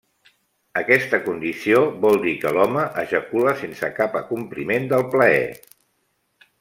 Aquesta condició vol dir que l'home ejacula sense cap acompliment del plaer.